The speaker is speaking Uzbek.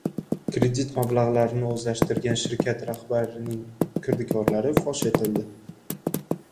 Kredit mablag‘larini o‘zlashtirgan shirkat rahbarining kirdikorlari fosh etildi